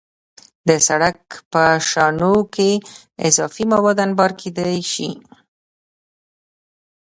د سړک په شانو کې اضافي مواد انبار کېدای شي